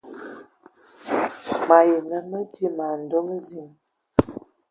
Mayi nə madi man dzom ziŋ.